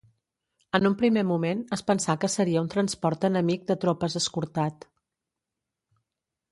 En un primer moment es pensà que seria un transport enemic de tropes escortat.